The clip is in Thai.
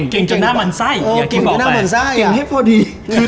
เก่งจนหน้ามันไส้อย่าเคียงมาแปลว่าไง